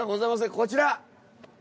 こちら。